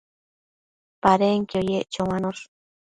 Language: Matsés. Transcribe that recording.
Padenquio yec choanosh